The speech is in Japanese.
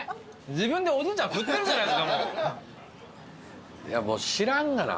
自分でおじいちゃん振ってるじゃないですかもう。